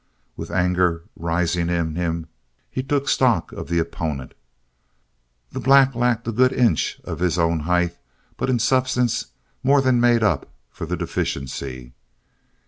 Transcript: With anger rising in him he took stock of the opponent. The black lacked a good inch of his own height but in substance more than made up for the deficiency.